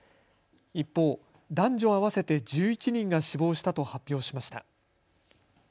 一方、男女合わせて１１人が死亡したと発表しました。